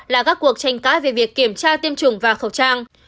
là các cuộc tranh cãi về việc kiểm tra tiêm chủng và khẩu trang